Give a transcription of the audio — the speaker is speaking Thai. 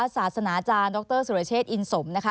ศาสนาอาจารย์ดรสุรเชษฐอินสมนะคะ